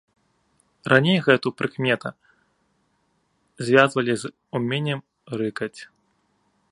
Раней гэту прыкмета звязвалі з уменнем рыкаць.